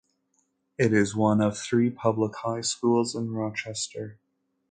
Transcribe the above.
It is one of three public high schools in Rochester.